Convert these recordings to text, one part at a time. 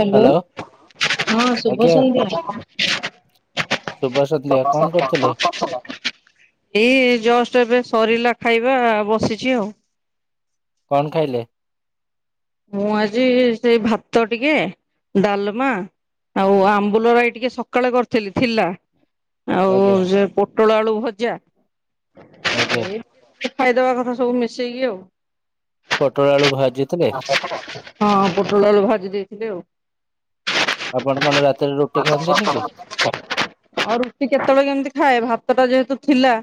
Hello. Hello ହଁ ଶୁଭ ଆଜ୍ଞା ଶୁଭ ସନ୍ଧ୍ୟା କଣ କରୁଥିଲେ ସନ୍ଧ୍ୟା। ଏ ଜଷ୍ଟ୍ ଏବେ ସରିଲା ଖାଇବା ବସିଚି ଆଉ। କଣ ଖାଇଲେ? ମୁଁ ଆଜି ସେଇ ଭାତ ଟିକେ ଡାଲମା ଆଉ ଆମ୍ବୁଲରାଇ ଟିକେ ସକାଳେ କରିଥିଲି ଥିଲା। ଆଉ ଆଜ୍ଞା ଯେ ପୋଟଳ ଆଳୁ ଭଜା। ଆଜ୍ଞା ଖାଇଦବା କଥା ସବୁ ମିଶେଇକି ଆଉ। ପୋଟଳ ଆଳୁ ଭାଜି ହଁ ପୋଟଳ ଆଳୁ ଭାଜି ଦେଇଥିଲି ଆଉ। ଆପଣ କଣ ରାତିରେ ରୁଟି ଖାଆନ୍ତିନି କି ଆ ରୁଟି କେତେବେଳେ କେମିତି ଖାଏ ଭା ସେଟା ଯେହେତୁ ଥିଲା।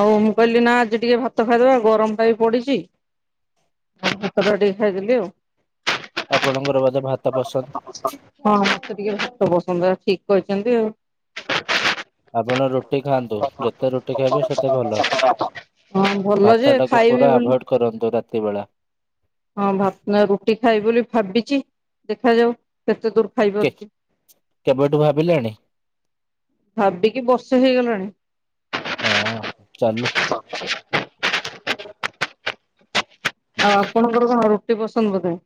ଆଉ ମୁଁ କହିଲି ନା ଆଜି ଟିକେ ଭାତ ଖାଇଦବା ଗରମ ଟା ବି ପଡିଛି। ହେଟୁ ଭାତ ଟା ଟିକେ ଖାଇଦେଲି ଆଉ। ହଁ ଆପଣଙ୍କର ବୋଧେ ମତେ ଭାତ ଟିକେ ପସନ୍ଦ ଭାତ ପସ ଆପଣ ତାହେଲେ ଠିକ କହିଛନ୍ତି ଆଉ। [inaudible] ଆପଣ ରୁଟି ଖାଆନ୍ତୁ ହଁ ଯେତେ ରୁଟି ଖାଇବେ ସେତେ ଭଲ ଭଲ ଯେ ଭାତ ଟାକୁ ଖାଇବି ପୁରା ବୋଲି। ଆଭଏଡ କରନ୍ତୁ ରାତି ବେଳା ହଁ ଭାତ ନା ରୁଟି ଖାଇବି ବୋଲି ଭାବିଛି ଦେଖାଯାଉ କେତେ ଦୂର କେ ଖାଇପାରୁଛି କେବେଠୁ ଭାବିଲେଣି ଭାବିକି ବର୍ଷେ ହେଇଗଲାଣି। ହଁ ଚାଲୁ। ଆଉ ଆପଣଙ୍କର କଣ ରୁଟି ପସନ୍ଦ ବୋଧେ?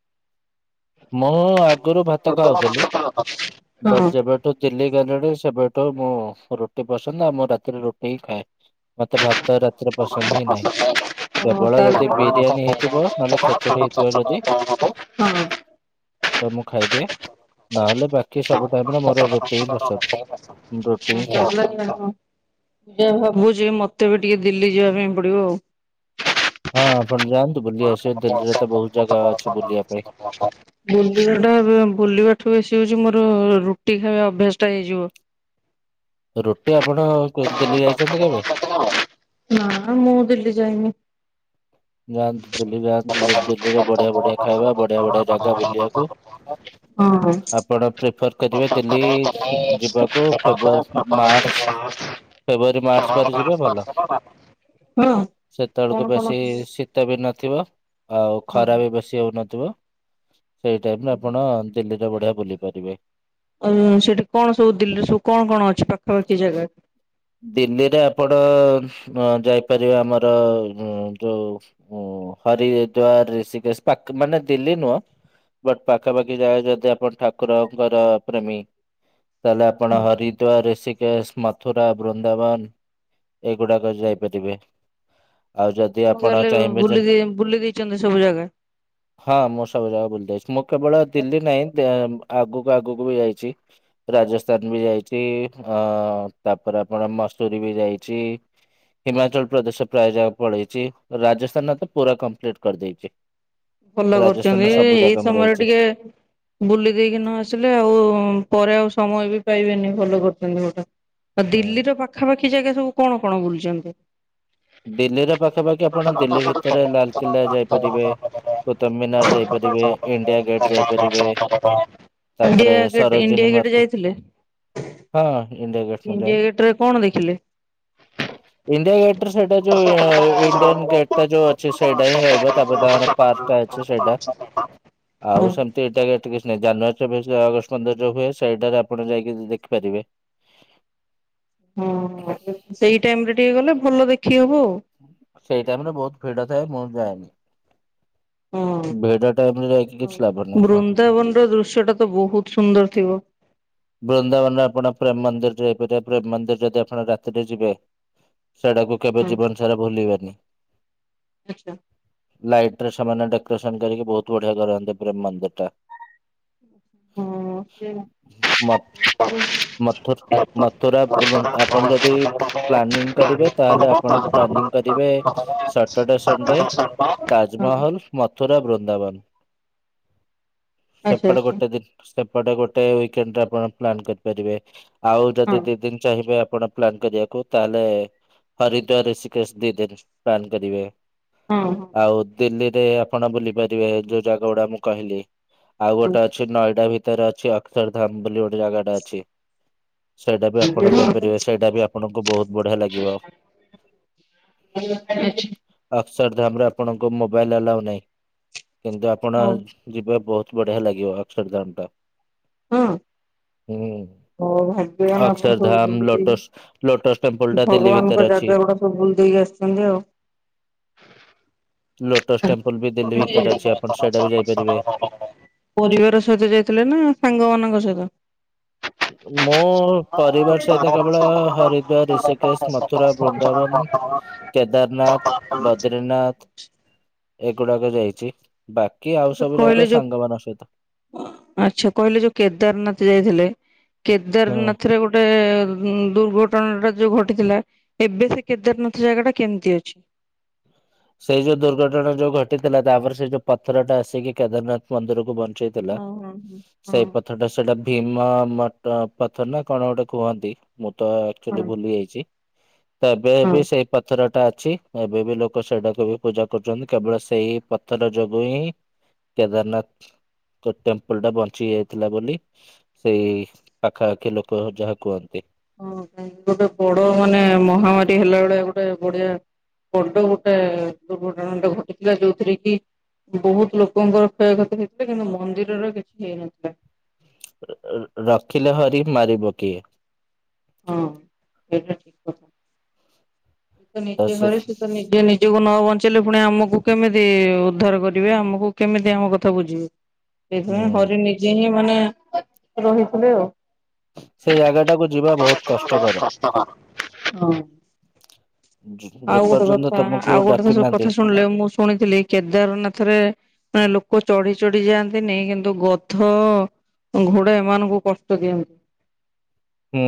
ମୁଁ ଆଗରୁ ଭାତ ହଁ। ହଁ ଖାଉଥିଲି ବଟ୍ ଯେବେଠୁ ଦିଲ୍ଲି ଗଲେଣି ସେବେ ସେବେଠୁ ମୁଁ ରୁଟି ପସନ୍ଦ ଆଉ ମୁଁ ରାତିରେ ରୁଟି ହିଁ ଖାଏ ମତେ ଭାତ ତ ରାତିରେ ପସନ୍ଦ ହିଁ ନାହିଁ କେବଳ ତାହେଲେ ଯଦି ହଁ। ବିରିୟାନୀ ହେଇଥିବ ନହେଲେ ଖେଚୁଟି ହେଇଥିବ ତାହେଲେ ଯଦି। ମୁଁ ତ ମୁଁ ଖାଇଦିଏ। ନହେଲେ ବାକି ସବୁ ଟାଇମରେ ମୋର ରୁଟି ହିଁ ପସନ୍ଦ ରୁଟି ହିଁ ଖାଏ। ମୁଁ ଟିକେ ଭାବୁଛି ମତେ ବି ଟିକେ ଦିଲ୍ଲୀ ଯିବା ପାଇଁ ପଡିବ ଆଉ। ହଁ। ଆପଣ ଯାଆନ୍ତୁ ବୁଲି [unintelligible] ଆସିବେ ଦିଲ୍ଲୀରେ ତ ବୁଲିବାଠୁ ବହୁତ ଜାଗା ଅଛି ବେଶୀ ବୁଲିବା ପାଇଁ। ହଉଛି ମୋର ରୁଟି ଖାଇବା ଅଭ୍ୟାସ ଟା ହେଇଯିବ। ରୁଟି ଆପଣ ଦିଲ୍ଲି ଯାଇଛନ୍ତି କେବେ? ନା ମୁଁ ଦିଲ୍ଲୀ ଯାଇନି। ଯାଆନ୍ତୁ ଦିଲ୍ଲୀ ଯାଆନ୍ତୁ ହଁ। ହଁ ଦିଲ୍ଲୀରେ କଣ ବଢିଆ ବଢିଆ ଖାଇବା ବଢିଆ ବଢିଆ ଜାଗା ବୁଲିବାକୁ। ଆପଣ ପ୍ରେଫର କରିବେ ଦିଲ୍ଲୀ ଯିବାକୁ ଫେବୃଆାରୀ ମାର୍ଚ୍ଚ ଫେବୃଆରୀ ମାର୍ଚ୍ଚ ପରେ ଯିବେ ଭଲ ସେତେବେଳକୁ କଣ ହଁ। ବେଶୀ ଶୀତ ବି ଥିବ ଆଉ ଖରା ବି ବେଶୀ ହଉନଥିବ ସେଇ ଟାଇମରେ ଆପଣ ଦିଲ୍ଲୀଟା ବଢିଆ ବୁଲିପାରିବେ। ଉଁ ସେଠି କଣ ସବୁ ଦିଲ୍ଲୀରେ ସବୁ କଣ କଣ ଅଛି ପାଖାପାଖି ଜାଗା ଦିଲ୍ଲୀରେ ଆପଣ ଉଁ ଯାଇପାରିବେ ଆମର ଉଁ ଯୋଉ ଉଁ ହରିଦ୍ୟାର ରିଷିକେଶ ପାକ ମାନେ ଦିଲ୍ଲି ନୁହଁ। ବଟ୍ ପାଖାପାଖି ଯାଗା ଯଦି ଆପଣ ଠାକୁରଙ୍କର ପ୍ରେମୀ। ତାହେଲେ ଆପଣ ହରିଦ୍ୟାର ରେଷିକେସ୍ ମଥୁର ମଥୁରା ବୃନ୍ଦାବନ ଏଇଗୁଡାକ ଯାଇପାରିବେ। ଆଉ ଯଦି ଆପଣ ତାହେଲେ ଚାହିଁବେ ଯେ ବୁଲି ଦେଇ ବୁଲି ଦେଇଛନ୍ତି ସବୁ ଜାଗା ହଁ ମୁଁ ସବୁ ଯାଗା ଫୁଲିଯାଇଛି ମୁଁ କେବଳ ଦିଲ୍ଲୀ ନାହିଁ ଆଁ ଆଗକୁ ଆଗକୁ ବି ଯାଇଛି ରାଜସ୍ଥାନ ବି ଯାଇଛି ଆଁ ତାପରେ ଆପଣ ମସୁରୀ ବି ଯାଇଛି। ହିମାଚଳ ପ୍ରଦେଶ ପ୍ରାୟ ଯାଏ ପଳେଇଛି ରାଜସ୍ଥାନ ତ ପୁରା କମ୍ପ୍ଲିଟ୍ କରିଦେଇଛି। ଭଲ କରୁଛନ୍ତି ରାଜସ୍ଥାନର ସବୁ ଏଇ ଜାଗା ମୁଁ ସମୟରେ ଯାଇଛି। ଟିକେ ବୁଲି ଦେଇକି ନ ଆସିଲେ ଆଉ ପରେ ଆଉ ସମୟ ବି ପାଇବେନି ଭଲ କରିଛନ୍ତି ଗୋଟେ ଆଉ ଉଁ ଦିଲ୍ଲୀର ପାଖାପାଖି ଜାଗା ସବୁ କଣ? କଣ ବୁଲିଛନ୍ତି? ଦିଲ୍ଲୀରେ ପାଖାପାଖି ଆପଣ ଦିଲ୍ଲୀ ଭିତରେ ଲାଲକିଲ୍ଲା ଯାଇପାରିବେ। କୌତୁବ ମିନାର ଯାଇପାରିବେ ଇଣ୍ଡିଆ ଗେଟ୍ ଯାଇପାରିବେ। ତାପରେ India gate India Sarojini gate market. ଯାଇଥିଲେ ହଁ ଇଡିଆ ଗେଟ ସ ମ ଯାଏ ଇଣ୍ଡିଆ ଗେଟ୍ ରେ କଣ ଦେଖିଲେ? ଇଡିଆ ଗେଟ ସେଇଟା ଯୋଉ ଇଣ୍ଡିଆନ୍ ଗେଟ୍ ଟା ଯୋଉ ଅଛି ସେଇଟା ହିଁ ରହିବ ତାପରେ ତାଙ୍କର ପାର୍କ ଅଛି ସେଇଟା ହଁ। ଆଉ ସେମତି ଏଇଟା ଏ କିଛି ନାଇଁ ଜାନୁଆରୀ ଚବିଶ ଅଗଷ୍ଟ ପନ୍ଦର ଯୋଉ ହୁଏ ସେଇଟାରେ ଆପଣ ଯାଇକି ଦେଖିପାରିବେ। ହ ସେଇ ଟାଇମ ରେ ଟିକେ ଗଲେ ଭଲ ଦେଖ ସେଇ ଟାଇମରେ ବହୁତ ଭିଡ଼ ଥାଏ ମୁଁ ଯାଏନି। ଭିଡ ଟାଇମ ରେ ଯାଇକି ହୁଁ କିଛି ଲାଭ ନାହିଁ ବୃନ୍ଦାବନ ର ଦୃଶ୍ୟ ଟା ତ ବହୁତ ସୁନ୍ଦର ଥିବ? ବୃନ୍ଦାବନରେ ଆପଣ ପ୍ରେମ ମନ୍ଦିରରେ ଯଇପାରିବେ ପ୍ରେମ ମନ୍ଦିର ଯଦି ଆପଣ ରାତିରେ ଯିବେ ସେଟାକୁ କେବେ ହଁ ଜୀବନ ସାରା ଭୁଲିବେନି। ଆଚ୍ଛା ଲାଇଟି ରେ ସେମାନେ ଡେକୋରେସନ କରିକି ବହୁତ କୋଢିଆ କରନ୍ତି ପ୍ରେମ ମନ୍ଦିରିଟା। ହଁ ସେ ମତ ଆଚ୍ଛା ମଥୁରୁ ହଁ ହଁ ହଁ। ମଥୁରା ଆପଣ ହଉ ହଁ ଯଦି ହଉ ପ୍ଲାନିଂ ଭାଗ୍ୟବାନ କରିବେ ତାହେଲେ ଆପଣ ପ୍ଲାନିଂ କରିବେ ସଟରଡେ ସଣ୍ଡେ ତାଜମହଲ ମଥୁରା ବୃ ଦାବର ସେପଟେ ଗୋଟେ ଦିନି ସେପଟ ଗୋଟେ ୱିକ୍ ଣ୍ଡ ବର ପ୍ଲାନ୍ କରିପାରିବେ ଆଉ ଯଦି ଦି ଦିନ ଚାହିଁବେ ବଡ଼ ପ୍ଲାନ୍ କରିବାକୁ ତାହେଲେ ହରିଦ୍ଵାର ଷିକ୍ରିସି ଦିନି ଦିନି ପ୍ଲାନ୍ କରିବେ। ହଁ ହ। ଆଉ ଦିଲ୍ଲୀରେ ଆପଣ ବୁଲି ପାରିବେ ଯୋଉ ଜାଗା ଗୁଡା ମୁଁ କହିଲି ଆଉ ଗୋଟେ ଅଛି ନଏଡା ଭି ଭିତରେ ଅଛି ଅକ୍ଷର ଧାମ ବୋଲି ଜାଗାଟେ ଅଛି। ସେଇଟା ବି ଆପଣ ଯାଇପାରିବେ ସେଇଟା ବି ଆପଣଙ୍କୁ ବହୁତ ବଢିଆ ଲାଗିବ। ଅସର ଧାମ ରେ ଆପଣଙ୍କ ମୋବାଇଲି ଆଲାଉ ନାଇଁ କିନ୍ତୁ ଆପଣ ଯିବେ ବହୁତୁ ବଢିଆ ଲାଗିବ ଅକ୍ଷର ଧାମ ଟା। ହଁ? ହୁଁ। ଓ ଭାଗ୍ୟବାନ ଆପଣ ସବୁ ଅକ୍ଷରଧାମ ଲୋଟସ୍ ଲୋଟସ୍ ଟେମ୍ପଲ ବୁଲୁଦେଇ ଟା ଦିଲ୍ଲୀ ଭଗବାନଙ୍କ ଭିତରେ ଅଛି। ଜାଗା ଗୁଡା ସବୁ ବୁଲୁଦେଇ କି ଆସିଛନ୍ତି ଆଉ। ଲୋଟସ୍ ଟେମ୍ପଲ ବି ଦିଲ୍ଲୀ ଭିତରେ ଅଛି ଆପଣ ସେଇଟା ବି ଯାଇପାରିବେ। [unintelligible] ପରିବାର ସହିତ ଯାଇଥିଲେ ନା, ସାଙ୍ଗ ମାନଙ୍କ ସହିତ? ମୁଁ ପରିବାର ସହିତ କେବଳ ହରିଦ୍ୱାର, ଋଷିକେଶ, ମଥୁରା, ବୃନ୍ଦାବନ କେଦାରନାଥ, ବଦ୍ରିନାଥ, ଏଗୁଡାକ ଯାଇଛି। ବାକି ଆଉ ସେ ସବୁ କହିଲେ ଜାଗା ଯୋଉ, ସାଙ୍ଗମାନଙ୍କ ସହିତ ଆଚ୍ଛା କହିଲେ ଯୋଉ କେଦାରନାଥ ଯାଇଥିଲେ। ହଁ। କେଦାରନାଥରେ ଗୋଟେ ଦୁର୍ଘଟ ଟଣା ଟା ଯୋଉ ଘଟିଥିଲା ଏବେ ସେ କେଦାରନାଥ ଜାଗା ଟା କେମିତି ଅଛି? ସେଇ ଯୋଉ ଦୁର୍ଘଟଣା ଯୋଉ ଘଟିଥିଲା ତାପରେ ସେ ଯୋଉ ପଥରଟା ଆସିକି କେଦାରନାଥ ମନ୍ଦିରକୁ ବଞ୍ଚେଇଦେଲା ହଁ ହଁ ହଁ। ହଁ ସେଇ ପଥରଟା ସେଇଟା ଭୀମ ମଟ ପଥର ନା କଣ ଗୋଟେ କୁହନ୍ତି। ମୁଁ ତ ହଁ। ଆକଚୁଆଲି ଭୁଲି ଯାଇଛି। ତ ଏବେ ହଁ। ବି ସେଇ ପଥର ଟା ଅଛି। ଏବେ ବି ଲୋକ ଲୋକ ସେଇଟାକୁ ବି ପୂଜା କରୁଛନ୍ତି। କେବଳ ସେଇ ପଥର ଯୋଗୁ ହିଁ କେଦାରନାଥ ଟେମ୍ପୁଲୁ ଟା ବଞ୍ଚି ଯାଇଥିଲା ବୋଲି ସେଇ ପାଖାପାଖି ଲୋକ ଯାହା କୁହନ୍ତି। ହଁ ଗୋଟେ ବଡ ମାନେ ମହାମାରୀ ହେଲା ଭଳିଆ ଗୋଟେ ବଢିଆ ବଡ ଗୋଟେ ଦୁର୍ଘଟଣାଟ ଘଟିଥିଲା ଯୋଉଥିରେ କି ବହୁତୁ ଲୋକଙ୍କର କ୍ଷୟକ୍ଷତି ହେଇଥିଲା କିନ୍ତୁ ମନ୍ଦିରର କିଛି ହେଇନଥିଲା। ରଖିଲେ ହରି ମାରିବ କିଏ। ହଁ। ଏଇଟା ଠିକ କଥା। ସେ ତ ନିଜେ ହରି ସେ ତ ନିଜେ ନିଜେକୁ ନ ବଚେ ବଞ୍ଚିଲେ ପୁଣି ଆମକୁ କେମିତି ଉଦ୍ଧାର କରିବେ ଆମକୁ କେମିତି ଆମ କଥା ବୁଝିବେ। ହୁଁ ସେଇଥିପାଇଁ ହରି ନିଜେ ହିଁ ମାନେ ରହିଥିଲେ ଆଉ। ସେ ଜାଗାଟାକୁ ଯିବା ବହୁତ କଷ୍ଟକର। ହଁ। ଭୁଝିଲି। ଆଉ ଗୋଟେ କଥା ଆଉ ଗୋଟେ କଥା ଶୁଣିଲେ ମୁଁ ଶୁଣିଥିଲି କେଦାରନାଥରେ ମାନେ ଲୋ ଲୋକ ଚଢି ଚଢି ଯାଆନ୍ତିନି କିନ୍ତୁ ଗଧ ଘୋଡା ଏମାନଙ୍କୁ କଷ୍ଟ ଦିଅନ୍ତି। ହୁଁ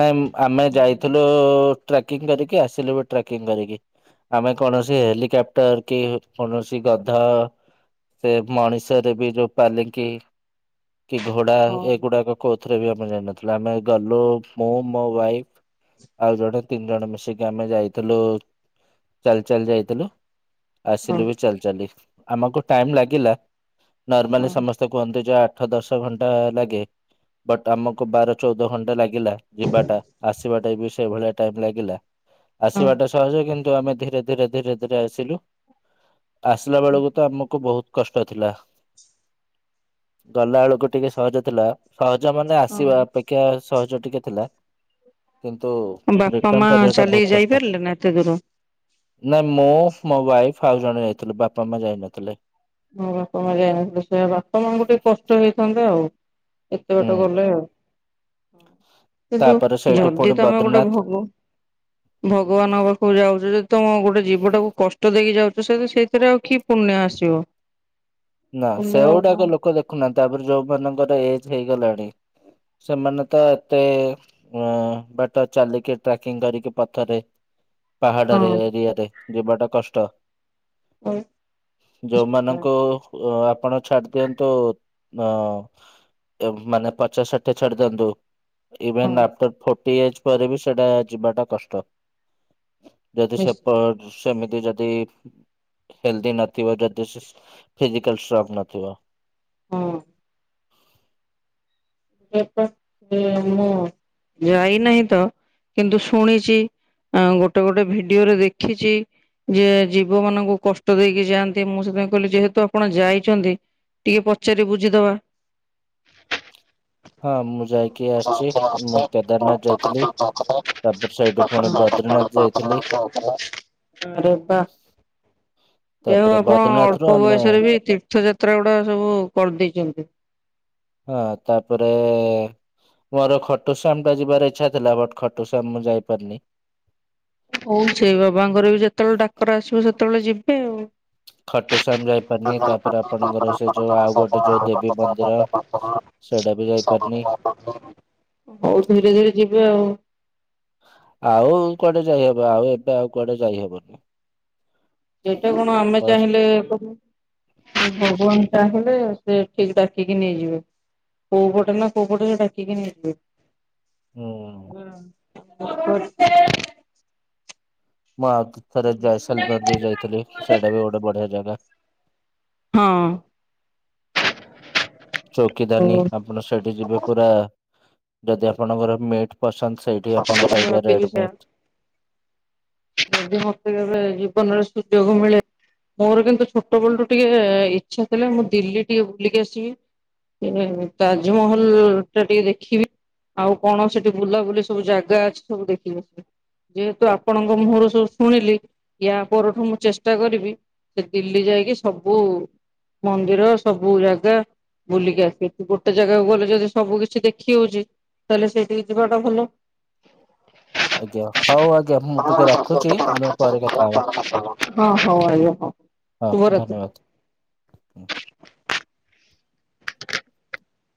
ନାଇଁ ଆମେ ଯାଇଥିଲୁ ଟ୍ରାକିଙ୍ଗ କରିକି ଆସିଲୁ ବି ଟ୍ରାକିଙ୍ଗ କରିକି। ଆମେ କୌଣସି ହେଲିକପ୍ଟର କି କୌଣସି ଗଧ ସେ ମଣିସରେ ବି ଯୋଉ ପାଲିଙ୍କି କି ଘୋଡା ହଁ ଏଗୁଡାକ କୋଉଥିରେ ବି ଆମେ ଯାଇନଥିଲୁ। ଆମେ ଗଲୁ ମୁଁ ମୋ ୱାଇଫ। ଆଉ ଜଣେ ତିନି ଜଣ ମିଶିକି ଆମେ ଯାଇଥିଲୁ ଚାଲି ଚାଲି ଯାଇଥିଲୁ। ହଁ ଆସିଲୁ ବି ଚାଲି ଚାଲି। ଆମକୁ ଟାଇମ ଲାଗିଲା ହଁ ନର୍ମାଲି ସମସ୍ତେ କୁହନ୍ତିୁ ଯେ ଆଠ ଦଶ ଘଣ୍ଟା ଲାଗେ। ବଟ୍ ଆମ କୁ ବାର ଚଉଦ ଘଣ୍ଟା ଲାଗିଲା ଯିବାଟା ଆସିବାଟା ବି ସେଇଭଳିଆ ଟାଇମ୍ ଲାଗିଲା। ହଁ ଆସିବାଟା ସହଜ କିନ୍ତୁ ଆମେ ଧୀରେ ଧୀରେ ଧୀରେ ଧୀରେ ଆସିଲୁ। ଆସିଲା ବେଳକୁ ତ ଆମକୁ ବହୁତ କଷ୍ଟ ଥିଲା। ଗଲା ବେଳକୁ ଟିକେ ସହଜ ଥିଲା ସହଜ ମାନେ ଥିବା ହଁ ଅପେକ୍ଷା ସହଜ ଟିକେ ଥିଲା। କିନ୍ତୁ ବାପା ରିଟର୍ଣ ମା କରିବା ଟା ଚାଲିକି ବହୁତ କଷ୍ଟ। ଯାଇପାରିଲେ ନା ଏତେ ଦୂର? ନାଇଁ ମୁଁ ମୋ ୱାଇଫ ଆଉ ଜଣ ଯାଇଥିଲୁ। ବାପା ମା ଯାଇନଥିଲେ। ହଁ ବାପା ମା ଯାଇନଥିଲେ ସେ ବାପା ମାଙ୍କୁ ଟିକେ କଷ୍ଟ ହେଇଥାନ୍ତା ଆଉ। ଏତେ ହୁଁ। ବାଟ ଗଲେ ଆଉ। ହୁଁ କିନ୍ତୁ ତାପରେ ସେଇଠୁ ଯଦି ପୁଣି ତମେ ଗୋଟେ ବଦ୍ରିନାଥ ଭୋଗ ଭଗବାନଙ୍କ ପାଖକୁ ଯାଉଛ ଯ ତମ ଗୋଟେ ଜୀବଟାକୁ କଷ୍ଟ ଦେଇକି ଯାଉଛ ସେତ ସେଇଥିରେ ଆଉ କି ପୁଣ୍ୟ ଆସିବ। ନା ପୁଣ୍ୟ ଆଉ ସେଗୁଡାକ କଣ ଲୋକ ଦେଖୁନାହାନ୍ତି। ତାପରେ ଯୋଉ ମାନଙ୍କର ଏଜ୍ ହେଇଗଲାଣି। ସେମାନେ ତ ଏତେ ଅ ବାଟ ଚାଲିକି ଟ୍ରାକିକିଂ କରିକି ପଛରେ ହଁ ପାହାଡରେ ଏରିଆରେ ଯିବାଟା କଷ୍ଟ। ହଉ ନିଶ୍ଚିତ ଯୋଉମାନଙ୍କୁ ଆପଣ ଛାଡିଦିଅନ୍ତୁ ହଁ। ମାନେ ପଚାଶଷାଠିଏ ଛାଡିଦିଅନ୍ତୁ। ହଁ ଇଭେନ ଆଫ୍ଟର ଫୋର୍ଟି ଇଜେ ପରେ ବି ସେଟା ଯିବାଟା କଷ୍ଟ। ଯଦି ନିଶ୍ଚିତ ସେପଟ ସେମିତି ଯଦି ହେଲିଦି ନଥିବ ଯଦି ସୁସ ଫିଜିକାଲ ଷ୍ଟ୍ରଙ୍ଗ ନଥିବ। ହୁଁ। [unintelligible] ମୁଁ ଯାଇନାହିଁ ତ କିନ୍ତୁ ଶୁଣିଛି। ଆଉ ଗୋଟେ ଗୋଟେ ଭିଡିଓରେ ଦେଖିଛି। ଯେ ଜୀବମାନଙ୍କୁ କଷ୍ଟ ଦେଇକି ଯାଆନ୍ତି ମୁଁ ସେଥିପାଇଁ କହିଲି ଯେହେତୁ ଆପଣ ଯାଇଛନ୍ତି। ଟିକେ ପଚାରି ବୁଝିଦବା। ହଁ ମୁଁ ଯାଇକି ଆସିଛି ମୁଁ କେଦାରନାଥ ଯାଇଥିଲି ତାପରେ ସେଇଠୁ ପୁଣି ବ ପାମ୍ପଡ ପାମ୍ପଡ ପାମ୍ପଡ଼ ଆରେ ବା। ତେଣୁ ତାପରେ ଆପଣ ବଦ୍ରିନାଥ ରୁ ଅଳ୍ପ ଆମେ ବୟସରେ ବି ତୀର୍ଥଯାତ୍ରା ଗୁଡାସବୁ କରିଦେଇଛନ୍ତି। ହଁ ତାପରେ ମୋର ଖଟୁଶ୍ୟାମ ଟା ଯିବାର ଇଚ୍ଛା ଥିଲା ବଟ୍ ଖଟୁଶ୍ଯାମ ମୁଁ ଯାଇପାରିନି। ହୋଉ ସେଇ ବାବାଙ୍କର ବି ଯେତେବେଳେ ଡାକ୍ତର ଆସିବ ସେତେବେଳେ ଯିବେ ଆଉ। ଖଟୁଶ୍ୟାମ ଯାଇପାରିନି ତାପରେ ଆପଣଙ୍କର ସେ ଯୋଉ ଆଉ ଗୋଟେ ଯୋଉ ଦେବୀ ମନ୍ଦିର ସେଇଟା ବି ଯାଇପାରିନି। [inaudible] ହୋଉ ଧୀରେ ଧୀରେ ଯିବେ ଆଉ। ଆଉ କୁଆଡ଼େ ଯାଇହବ? ଆଉ ଏବେ ଆଉ କୁଆଡ଼େ ଯାଇହବନି। ଏଇଟା କଣ ଆମେ ବସ୍ ଚାହିଁଲେ କରିବ ଉଁ ଭଗବାନ୍ ଚାହିଁଲେ ସେ ଠିକ୍ ଡାକି କି ନେଇଯିବେ। କୋଉପଟେ ନାଁ କୋଉପଟେ ହେ ଡାକିକି ନେଇଯିବେ। ହୁଁ। [inaudible] ମୁଁ ଆଉ ଥରେ ଜୟସେଲମର୍ ବି ଯାଇଥିଲି ସେଇଟା ବି ଗୋଟେ ବଢ଼ିଆ ଜାଗା। ହଁ। ଚୌକିଦାନୀ ହଉ ଆପଣ ସେଇଠି ଯିବେ ପୁରା ଯଦି ଆପଣଙ୍କର ମେଟ୍ ପସନ୍ଦ ସେଇଠି ଆପଣ ପାଇବେ ଭାବିବି ରେଡ଼୍ ସେୟା। ମିଟ୍। ଯଦି ମତେ କେବେ ଜୀବନରେ ସୁଯୋଗ ମିଳେ ମୋର କିନ୍ତୁ ଛୋଟବେଳୁରୁ ଟିକେ ଇଚ୍ଛା ଥିଲା ମୁଁ ଦିଲ୍ଲୀ ଟିକେ ବୁଲିକି ଆସିବି। ଏ ତାଜମହଲଟା ଟିଏ ଦେଖିବି। ଆଉ କଣ ସେଠି ବୁଲାବୁଲି ସବୁ ଜାଗା ଅଛି ସବୁ ଦେଖିକି ଆସିବି। ଯେହେତୁ ଆ ଆପଣଙ୍କ ମୁଁହଁରୁ ସବୁ ଶୁଣିଲି ୟା ପରଠୁ ମୁଁ ଚେଷ୍ଟା କରିବି ସେ ଦିଲ୍ଲୀ ଯାଇକି ସବୁ ମନ୍ଦିର ସବୁ ଜାଗା ବୁଲିକି ଆସି ଗୋଟେ ଜାଗାକୁ ଗଲେ ଯଦି ସବୁ କିଛି ଦେଖି ହଉଛି ତାହେଲେ ସେଇଠିକି ଯିବାଟା ଭଲ। ଆଜ୍ଞା ହଉ ଆଜ୍ଞା ମୁଁ ଟିକେ ରଖୁଛି ହଁ ଆମେ ପରେ କଥା ହବା ହଉ ଆଜ୍ଞା ହଉ। ହ ଶୁଭରାତ୍ରି। ଧନ୍ୟବାଦ୍ ହୁଁ।